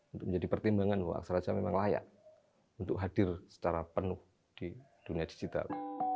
untuk menjadi pertimbangan bahwa aksaraja memang layak untuk hadir secara penuh di dunia digital